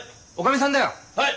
はい！